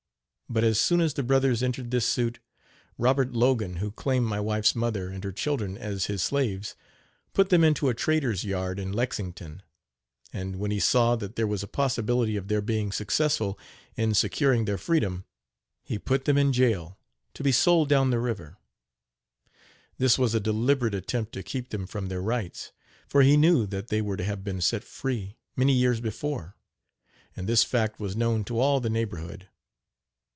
But as soon as the brothers entered this suit, Robert Logan, who claimed my wife's mother and her children as his slaves, put them into a trader's yard in Lexington; and, when he saw that there was a possibility of their being successful in securing their freedom, he put them in jail, to be "sold down the river." This was a deliberate attempt to keep them from their rights, for he knew that they were to have been set free, many years before; and this fact was known to all the neighborhood.